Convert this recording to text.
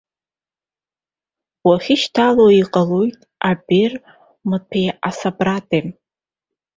Уахьышьҭало иҟалоит абер маҭәеи асабрадеи.